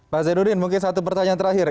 pak zainuddin mungkin satu pertanyaan terakhir